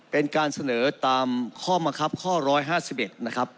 เป็นการเสนอตามข้อบังคับข้อร้อยห้าสิบเอ็ดนะครับ